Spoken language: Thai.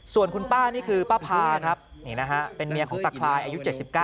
ส่วนคุณป้านี่คือป้าพาครับนี่นะฮะเป็นเมียของตะคลายอายุ๗๙